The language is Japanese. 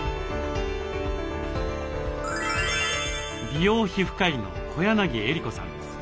美容皮膚科医の小柳衣吏子さんです。